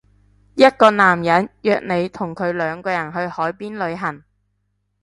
一個男人約你同佢兩個人去海邊旅行